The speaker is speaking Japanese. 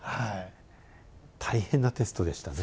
大変なテストでしたね。